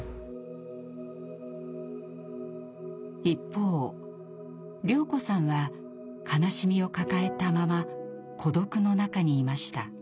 一方綾子さんは悲しみを抱えたまま孤独の中にいました。